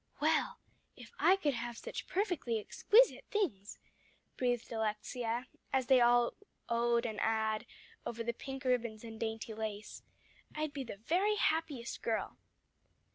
"Well, if I could have such perfectly exquisite things," breathed Alexia as they all oh ed and ah ed over the pink ribbons and dainty lace, "I'd be the very happiest girl."